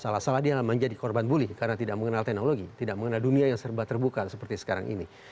salah salah dia menjadi korban bully karena tidak mengenal teknologi tidak mengenal dunia yang serba terbuka seperti sekarang ini